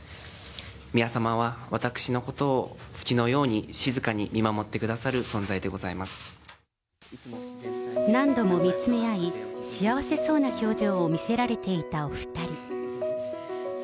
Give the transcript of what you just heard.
宮さまは私のことを月のように静かに見守ってくださる存在でござ何度も見つめ合い、幸せそうな表情を見せられていたお２人。